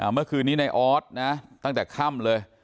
เมื่อคืนนี้ในออสนะตั้งแต่ค่ำเลย